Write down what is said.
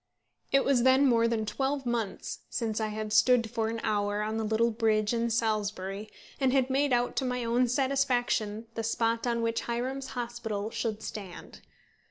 It was then more than twelve months since I had stood for an hour on the little bridge in Salisbury, and had made out to my own satisfaction the spot on which Hiram's hospital should stand.